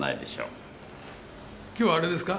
今日はあれですか？